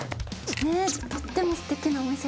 とってもすてきなお店ですよね